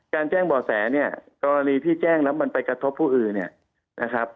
การแจ้งเบาะแสกรณีที่แจ้งแล้วมันไปกระทบผู้อื่น